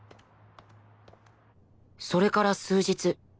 それから数日